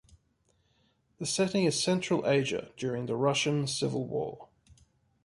The setting is Central Asia during the Russian civil war.